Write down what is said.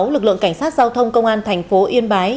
lực lượng cảnh sát giao thông công an thành phố yên bái